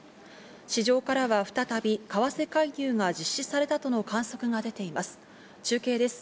市場からは再び為替介入が実施されたとの観測が出ています。